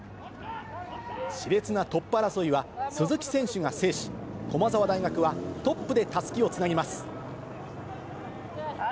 しれつなトップ争いは鈴木選手が制し、駒澤大学はトップでたすきをつなぎます。